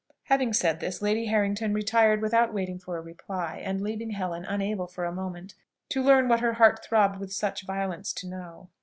Having said this, Lady Harrington retired without waiting for a reply, and leaving Helen unable for a moment to learn what her heart throbbed with such violence to know.